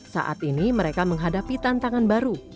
saat ini mereka menghadapi tantangan baru